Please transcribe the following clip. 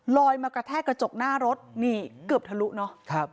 มากระแทกกระจกหน้ารถนี่เกือบทะลุเนอะ